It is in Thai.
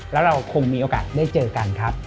แล้วเราคงมีโอกาสได้เจอกันครับ